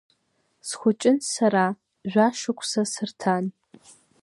Схәыҷын сара, жәашықәса сырҭан…